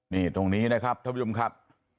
นี่ตรงนี้นะครับท่านผู้ชมครับ